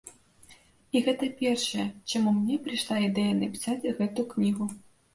І гэта першае, чаму мне прыйшла ідэя напісаць гэту кнігу.